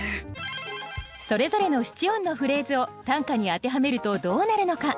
それぞれの七音のフレーズを短歌に当てはめるとどうなるのか。